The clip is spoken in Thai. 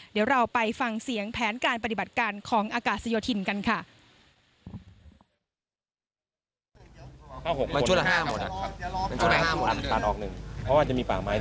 เดี๋ยวเราไปฟังเสียงแผนการปฏิบัติการของอากาศโยธินกันค่ะ